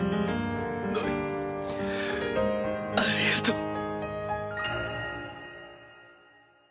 ノイありがとう。